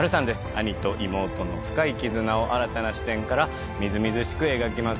兄と妹の深い絆を新たな視点からみずみずしく描きます。